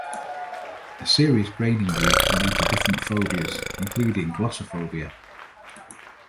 A serious brain injury can lead to different phobias, including glossophobia.